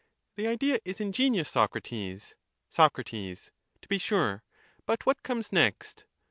The idea is ingenious, Socrates. Soc. To be sure. But what comes next?